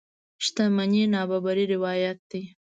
شتمنۍ نابرابرۍ روايت دي.